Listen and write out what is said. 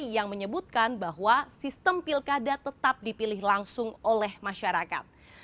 yang menyebutkan bahwa sistem pilkada tetap dipilih langsung oleh masyarakat